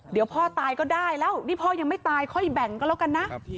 เดี๋ยวพ่อตายก็ได้แล้วนี่พ่อยังไม่ตายค่อยแบ่งก็แล้วกันนะ